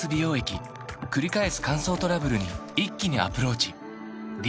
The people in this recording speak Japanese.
くり返す乾燥トラブルに一気にアプローチ